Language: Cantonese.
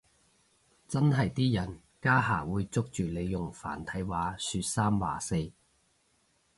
真係啲人家下會捉住你用繁體話說三話四